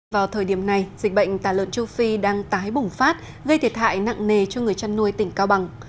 vào thời điểm này dịch bệnh tà lợn châu phi đang tái bùng phát gây thiệt hại nặng nề cho người chăn nuôi tỉnh cao bằng